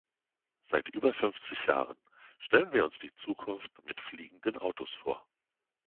Seit über fünfzig Jahren stellen wir uns die Zukunft mit fliegenden Autos vor.